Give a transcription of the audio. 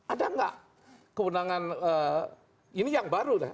ada nggak keundangan ini yang baru ya